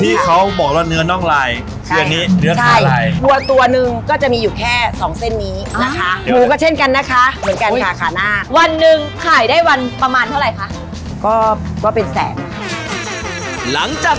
พี่เขาบอกว่าเนื้อนอกลายคืออันนี้เนื้อขาลายใช่